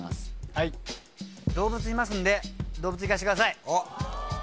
はい動物いますんで動物いかしてください